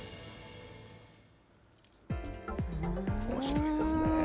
おもしろいですね。